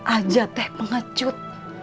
aja teh pengecut